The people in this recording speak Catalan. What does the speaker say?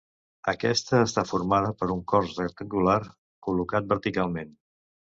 Aquesta està formada per un cos rectangular col·locat verticalment.